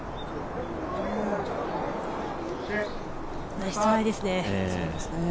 ナイストライですね。